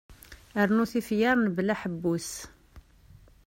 Rnu tifyar mebla aḥebbus.